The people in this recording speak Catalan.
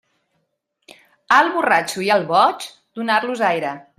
Al borratxo i al boig, donar-los aire.